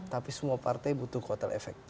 tapi semua partai butuh kotel efek